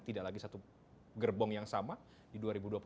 tidak lagi satu gerbong yang sama di dua ribu dua puluh empat